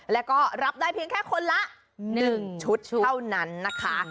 แล้วก็รับได้เพียงแค่คนละ๑ชุดเท่านั้นนะคะ